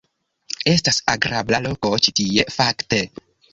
- Estas agrabla loko ĉi tie, fakte.